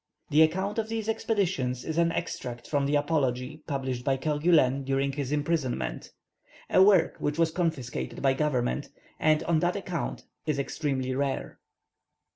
The account of these expeditions is an extract from the apology published by Kerguelen during his imprisonment, a work which was confiscated by government, and on that account is extremely rare.